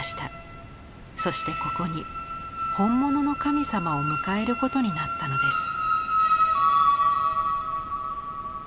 そしてここに本物の神様を迎えることになったのです。